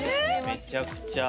めちゃくちゃ。